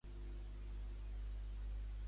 On projecten "Transformers" demà a Sabadell?